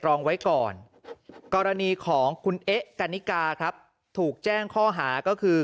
รองไว้ก่อนกรณีของคุณเอ๊ะกันนิกาครับถูกแจ้งข้อหาก็คือ